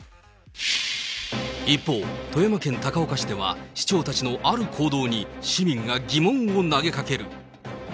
一方、富山県高岡市では、市長たちのある行動に、市民が疑問を投げかける。